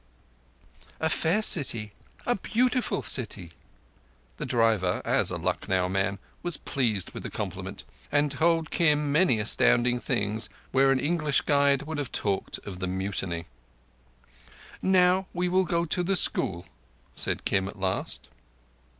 "A fair city—a beautiful city." The driver, as a Lucknow man, was pleased with the compliment, and told Kim many astounding things where an English guide would have talked of the Mutiny. "Now we will go to the school," said Kim at last.